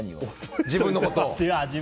自分のことを。